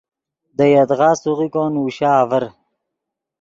دے یدغا سوغیکو نوشا آڤر